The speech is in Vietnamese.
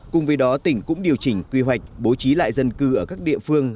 cùng với đó tỉnh cũng điều chỉnh quy hoạch bố trí lại dân cư ở các địa phương